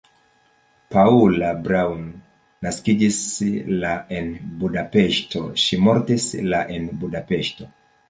Paula Braun naskiĝis la en Budapeŝto, ŝi mortis la en Budapeŝto.